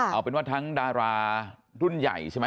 เอาเป็นว่าทั้งดารารุ่นใหญ่ใช่ไหม